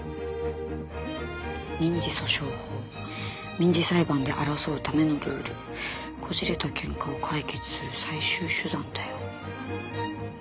「民事訴訟法民事裁判で争うためのルール」「こじれたケンカを解決する最終手段だよ！」